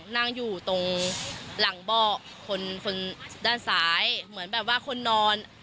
นั่งอยู่ตรงหลังเบาะคนคนด้านซ้ายเหมือนแบบว่าคนนอน